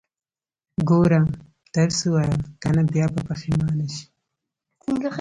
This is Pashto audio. ګوره، درس ووايه، که نه بيا به پښيمانه شې.